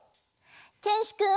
けんしくん。